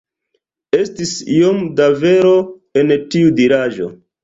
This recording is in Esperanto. Estis iom da vero en tiu diraĵo.